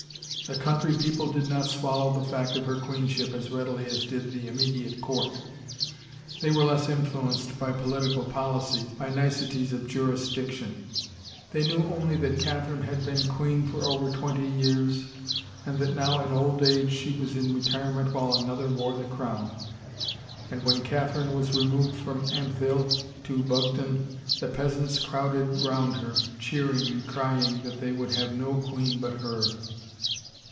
The country people did not swallow the fact of her queenship as readily as did the imme diate court. They were less influenced by political policies, by niceties of jurisdiction; they knew only that Catherine had been queen for over twenty years and that now in old age she was in retirement while another wore the crown, and when Catherine was removed from Ampthill to Bugden the peasants crowded around her, cheering and crying that they would have no queen but her.